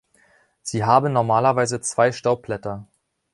Sie haben normalerweise zwei Staubblätter.